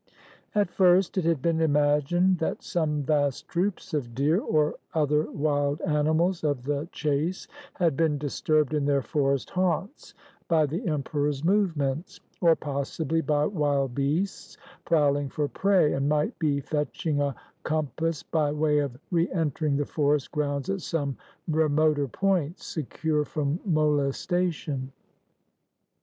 At first it had been imagined that some vast troops of deer or other wild animals of the chase had been dis turbed in their forest haunts by the emperor's movements, or possibly by wild beasts prowling for prey, and might be fetching a compass by way of reentering the forest grounds at some remoter points, secure from molestation.